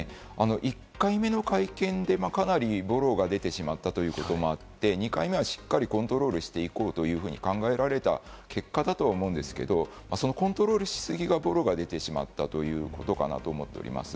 １回目の会見でかなりボロが出てしまったということもあって、２回目はしっかりコントロールしていこうというふうに考えられた結果だと思うんですけれども、そのコントロールしすぎがボロが出てしまったということかなと思っております。